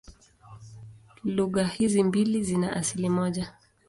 Lugha hizi mbili zina asili moja.